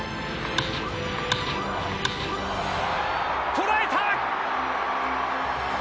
捉えた！